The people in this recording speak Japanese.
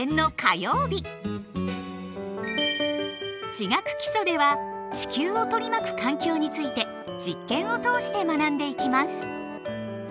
「地学基礎」では地球を取り巻く環境について実験を通して学んでいきます。